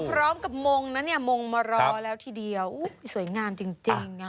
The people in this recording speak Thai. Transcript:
พร้อมกับมงนะเนี่ยมงมารอแล้วทีเดียวสวยงามจริงนะ